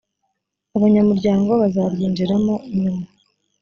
abanyamuryango bazaryinjira mo nyuma